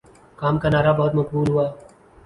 کام کا نعرہ بہت مقبول ہوا